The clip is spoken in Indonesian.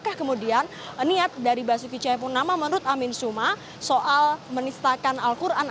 adakah kemudian niat dari basuki c purnama menurut amin suma soal menistakan pidato basuki c purnama